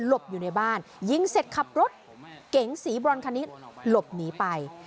อยู่ในบ้านยิงเสร็จขับรถเก๋งสีบรอนคันนี้หลบหนีไป